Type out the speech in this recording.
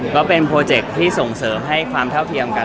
ก็เป็นโปรเจคที่ส่งเสริมให้ความเท่าเทียมกัน